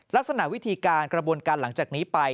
ลักษณะวิธีการกระบวนการหลังจากนี้ไป